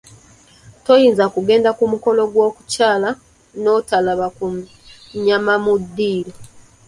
Toyinza kugenda ku mukolo gw’okukyala n’otalaba ku nnyama mu ddiro.